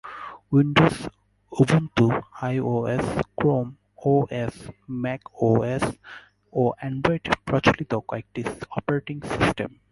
Windows, Ubuntu, iOS, Chrome OS, Mac OS ও Android প্রচলিত কয়েকটি অপারেটিং সিস্টেম।